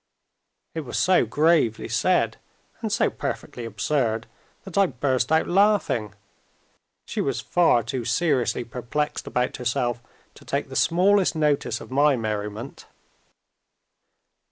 It was so gravely said, and so perfectly absurd, that I burst out laughing. She was far too seriously perplexed about herself to take the smallest notice of my merriment.